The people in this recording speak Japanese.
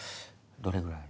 どれぐらい？